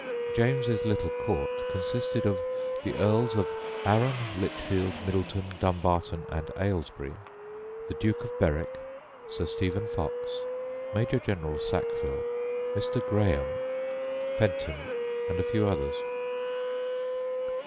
James's little court consisted of the Earls of Arran, Lichfield, Middleton, Dumbarton, and Ailesbury, the Duke of Berwick, Sir Stephen Fox, Major General Sackville, Mr. Grahame, Fenton, and a few others.